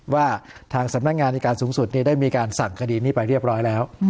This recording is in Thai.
ว่าทางสำนักงานในการสูงสุดได้มีการสั่งคดีนี้ไปเรียบร้อยแล้ว